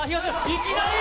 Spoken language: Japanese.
いきなり！